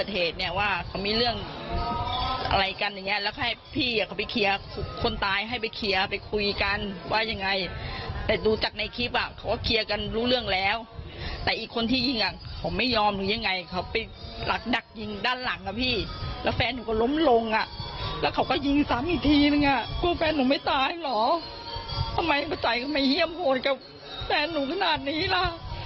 หนูไม่ตายหรอทำไมประจัยก็ไม่เยี่ยมโหดกับแฟนหนูขนาดนี้ล่ะ